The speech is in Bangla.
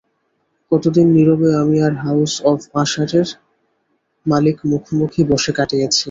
কতদিন নীরবে আমি আর হাউস অব আশারের মালিক মুখোমুখি বসে কাটিয়েছি।